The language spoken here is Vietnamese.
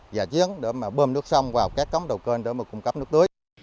giả chiến để bơm nước xong vào các cống đầu cơn để cấp nước tưới